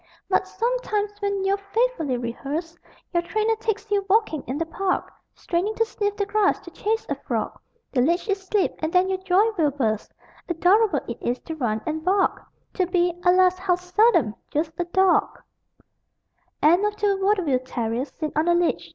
But sometimes, when you've faithfully rehearsed, Your trainer takes you walking in the park, Straining to sniff the grass, to chase a frog. The leash is slipped, and then your joy will burst Adorable it is to run and bark, To be alas, how seldom just a dog! [Illustration: _You must be rigid servant of your art!